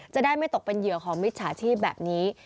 จะได้ไม่ตกเป็นเหยื่อของมิจฉาชีพแบบนี้